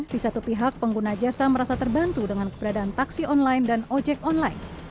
di satu pihak pengguna jasa merasa terbantu dengan keberadaan taksi online dan ojek online